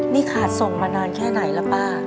นี่ขาดส่งมานานแค่ไหนแล้วป้า